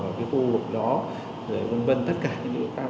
ở cái khu vực đó rồi vân vân tất cả những điều khác